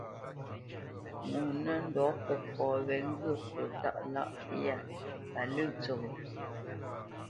Ŋo nə ndɔ̌ kəkɔ wé ŋgyə̂ fwo tâʼ lâʼ yá pa lə̂ tsəghó.